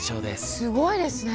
すごいですね。